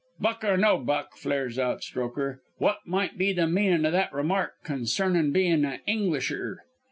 "'Buck or no buck,' flares out Strokher, 'wot might be the meanin' o' that remark consernin' being a Englisher?'